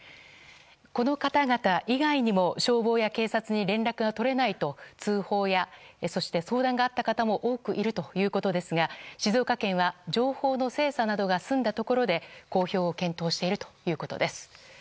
この方々以外にも消防や警察に連絡が取れないと通報や相談があった方も多くいるということですが静岡県は情報の精査などが済んだところで公表を検討しているということです。